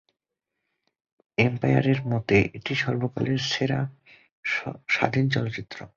Empire এর মতে এটি "সর্বকালের সেরা স্বাধীন চলচ্চিত্র"।